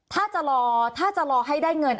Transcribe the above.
ถ้าจะรอให้ได้เงิน